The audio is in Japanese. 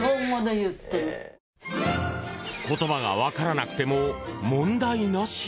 言葉が分からなくても問題なし？